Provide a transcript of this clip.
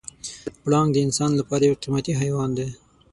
پړانګ د انسان لپاره یو قیمتي حیوان دی.